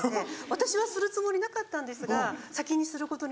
私はするつもりなかったんですが先にすることになって。